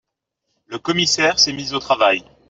Le commissaire s’est mis au travail…